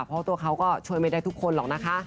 พอตัวเขาก็ช่วยไม่ได้ทุกคนหรอก